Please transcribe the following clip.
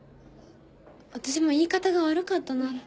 私も言い方が悪かったなって。